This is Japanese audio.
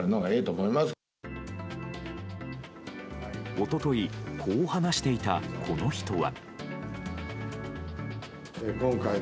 一昨日こう話していたこの人は。